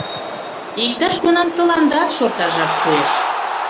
Иктаж-кунам тыландат шорташ жап шуэш!..»